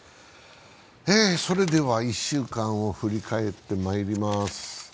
１週間を振り返ってまいります。